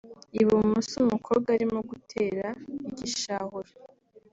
Ibumoso umukobwa arimo gutera igishahuro